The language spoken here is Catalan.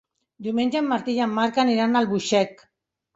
Diumenge en Martí i en Marc aniran a Albuixec.